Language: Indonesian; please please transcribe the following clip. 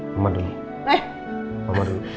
mama dulu eh mama dulu